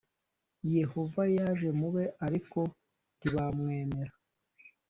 Yehova yaje mube ariko ntibamwemera